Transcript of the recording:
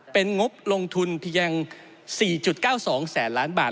เป็นงบลงทุนเพียง๔๙๒แสนล้านบาท